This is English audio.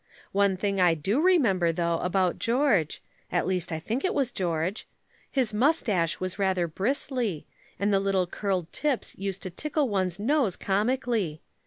One thing I do remember though, about George at least, I think it was George. His moustache was rather bristly, and the little curled tips used to tickle one's nose comically.